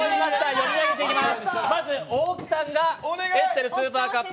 読み上げていきます。